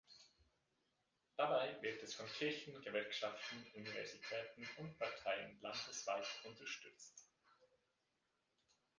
Dabei wird es von Kirchen, Gewerkschaften, Universitäten und Parteien landesweit unterstützt.